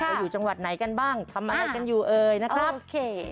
อยู่จังหวัดไหนกันบ้างทำอะไรกันอยู่เอ่ยนะครับโอเค